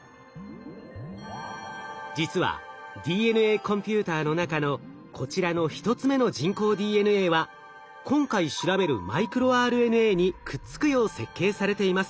実はＤＮＡコンピューターの中のこちらの１つ目の人工ＤＮＡは今回調べるマイクロＲＮＡにくっつくよう設計されています。